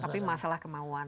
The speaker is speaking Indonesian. tapi masalah kemauan